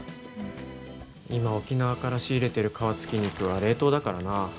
今沖縄から仕入れてる皮付き肉は冷凍だからな。